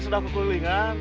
kita sudah kekelilingan